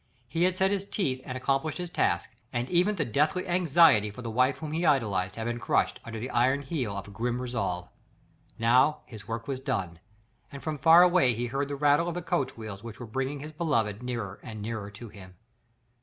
He had set his teeth and accomplished his task, and even the deathly anxiety for the wife whom he idolised had been crushed, under the iron heel of a grim resolve. Now his work was done, and from far away he heard the rattle of the coach wheels which were bringing his beloved nearer and nearer to him.